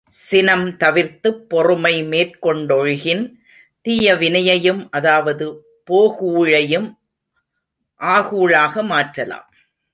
சினம் தவிர்த்துப் பொறுமை மேற்கொண்டொழுகின் தீயவினையையும் அதாவது போகூழையும் ஆகூழாக மாற்றலாம்.